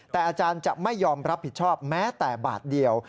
แต่อาจารย์จะไม่ยอมรับผิดชอบแม้แต่บาทเดียว